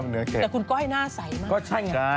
แต่คุณก้อยหน้าใสมาก